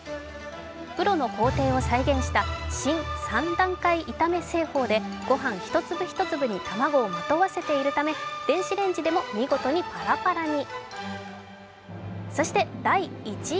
プロの工程を再現した新・三段階炒め製法でご飯一粒一粒に卵をまとわせているため電子レンジでも見事にパラパラに。